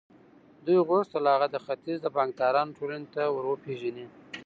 دوی غوښتل هغه د ختیځ د بانکدارانو ټولنې ته ور وپېژني